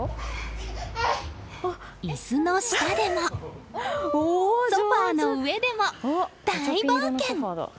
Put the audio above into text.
椅子の下でもソファの上でも、大冒険！